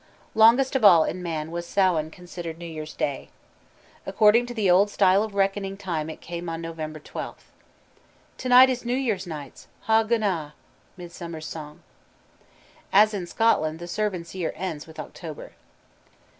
Longest of all in Man was Sauin (Samhain) considered New Year's Day. According to the old style of reckoning time it came on November 12. "To night is New Year's night. Hogunnaa!" Mummers' Song. As in Scotland the servants' year ends with October.